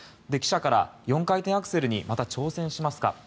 記者から４回転アクセルにまた挑戦しますか？